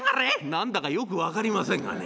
何だかよく分かりませんがね。